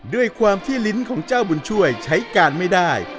ด้วยความที่ลิ้นของเจ้าบุญช่วยใช้การไม่ได้